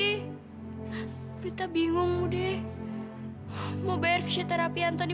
sekarang prita juga lagi di lelitongan aku ya budi